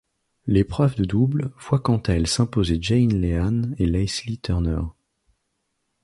L'épreuve de double voit quant à elle s'imposer Jan Lehane et Lesley Turner.